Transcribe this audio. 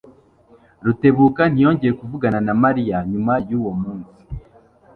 Rutebuka ntiyongeye kuvugana na Mariya nyuma yuwo munsi.